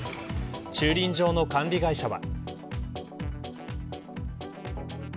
駐輪場の管理会社は。